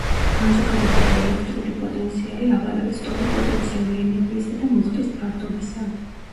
განზოგადებული ელექტრული პოტენციალი აღარ არის ტოლი პოტენციური ენერგიისა და მუხტის ფარდობისა.